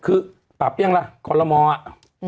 คือปรับหรือยังล่ะคนละมอด์